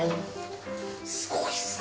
すごいっすね。